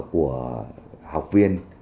của học viên